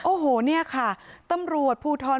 โอ้โหเนี่ยค่ะตำรวจภูทร